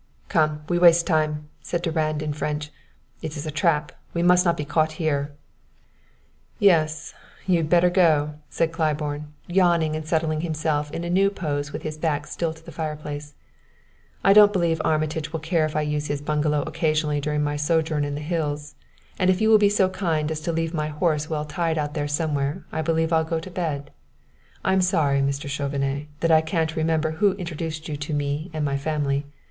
"Come; we waste time," said Durand in French. "It is a trap. We must not be caught here!" "Yes; you'd better go," said Claiborne, yawning and settling himself in a new pose with his back still to the fireplace. "I don't believe Armitage will care if I use his bungalow occasionally during my sojourn in the hills; and if you will be so kind as to leave my horse well tied out there somewhere I believe I'll go to bed. I'm sorry, Mr. Chauvenet, that I can't just remember who introduced you to me and my family.